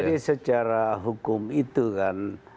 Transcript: jadi secara hukum itu kan